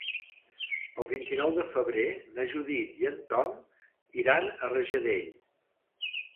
El vint-i-nou de febrer na Judit i en Tom iran a Rajadell.